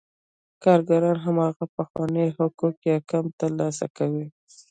کارګران هماغه پخواني حقوق یا کم ترلاسه کوي